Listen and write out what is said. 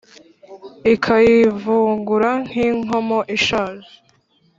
Ikayivungura nk’inkomo ishaje